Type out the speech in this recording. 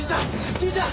じいちゃん！